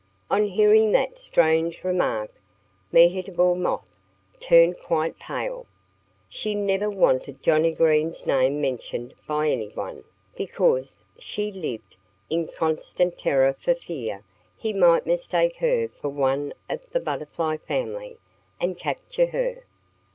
On hearing that strange remark Mehitable Moth turned quite pale. She never wanted Johnnie Green's name mentioned by anyone, because she lived in constant terror for fear he might mistake her for one of the Butterfly family and capture her.